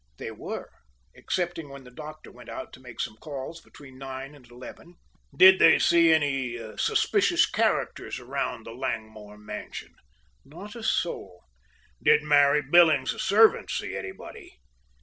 "They were, excepting when the doctor went out to make some calls, between nine and eleven." "Did they see any suspicious characters around the Langmore mansion?" "Not a soul." "Did Mary Billings, the servant, see anybody?"